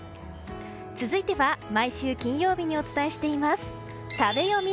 続いては、毎週金曜日にお伝えしています食べヨミ。